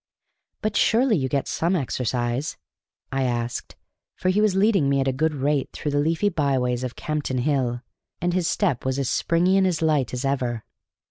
"But surely you get some exercise?" I asked; for he was leading me at a good rate through the leafy byways of Campden Hill; and his step was as springy and as light as ever.